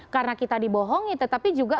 karena kita dibohongi tetapi juga